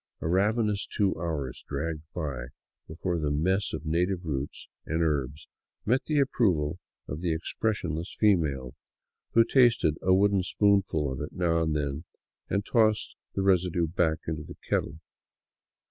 A rav enous two hours dragged by before the mess of native roots and herbs met the approval of the expressionless female, who tasted a wooden spoonful of it now and then and tossed the residue back into the kettle.